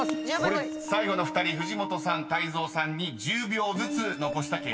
［最後の２人藤本さん泰造さんに１０秒ずつ残した計算です］